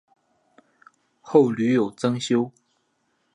后屡有增修。